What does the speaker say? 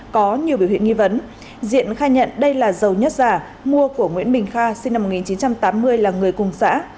có nhiều biểu hiện nghi vấn diện khai nhận đây là dầu nhất giả mua của nguyễn bình kha sinh năm một nghìn chín trăm tám mươi là người cùng xã